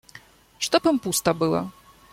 Чтоб им пусто было!